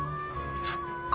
そっか。